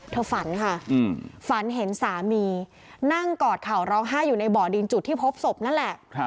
ฝันค่ะฝันเห็นสามีนั่งกอดเข่าร้องไห้อยู่ในบ่อดินจุดที่พบศพนั่นแหละ